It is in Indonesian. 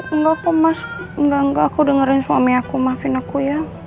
enggak kok mas enggak enggak aku dengerin suami aku maafin aku ya